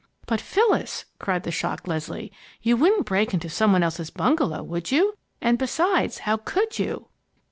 "But Phyllis!" cried the shocked Leslie. "You wouldn't break into some one else's bungalow, would you? And besides, how could you?"